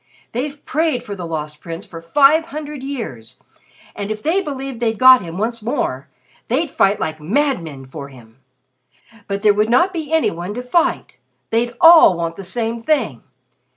They've prayed for the Lost Prince for five hundred years, and if they believed they'd got him once more, they'd fight like madmen for him. But there would not be any one to fight. They'd all want the same thing!